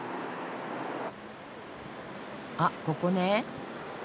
あっここね。